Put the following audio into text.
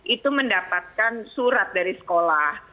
itu mendapatkan surat dari sekolah